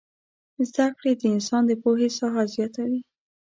زدکړې د انسان د پوهې ساحه زياتوي